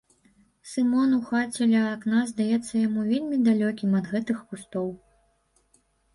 Сымон у хаце ля акна здаецца яму вельмі далёкім ад гэтых кустоў.